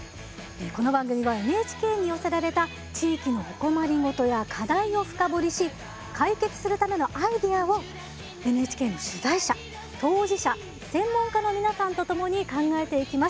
この番組はＮＨＫに寄せられた地域のお困り事や課題を深掘りし解決するためのアイデアをＮＨＫの取材者当事者専門家の皆さんと共に考えていきます。